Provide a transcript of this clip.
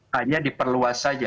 hanya diperluas saja